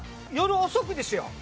「夜遅く」ですよ。